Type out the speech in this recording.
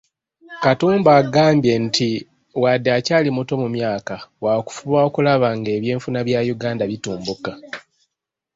Katumba agambye nti wadde akyali muto mu myaka, waakufuba okulaba ng'ebyenfuna bya Uganda bitumbuka.